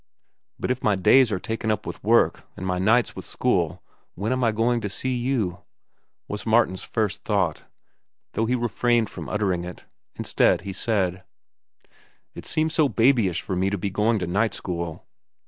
But if my days are taken up with work and my nights with school, when am I going to see you?—was Martin's first thought, though he refrained from uttering it. Instead, he said: "It seems so babyish for me to be going to night school.